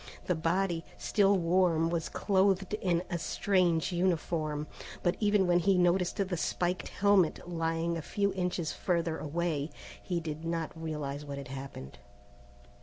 The body, still warm, was clothed in a strange uniform, but even when he noticed the spiked helmet lying a few inches further away, he did not realize what had happened.